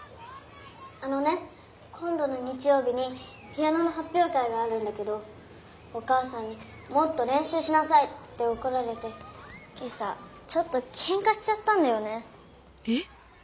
あのね今どの日曜日にピアノのはっぴょう会があるんだけどお母さんにもっとれんしゅうしなさいっておこられて今朝ちょっとけんかしちゃったんだよね。